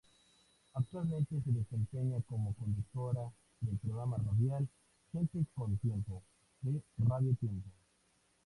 Actualmente se desempeña como conductora del programa radial "Gente con Tiempo" de Radio Tiempo.